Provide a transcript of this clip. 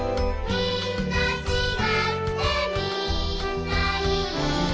「みんなちがってみんないい」